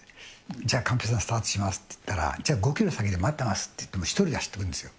じゃあ、寛平さん、スタートしますといったら、じゃあ、５キロ先で待ってますって言って、１人で走っていくんですよ。